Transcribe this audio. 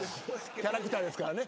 キャラクターですからね。